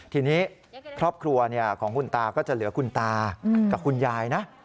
ทีนี้ครอบครัวของคุณตาก็จะเหลือคุณตากับคุณยายนะ